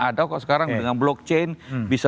ada kok sekarang dengan blockchain bisa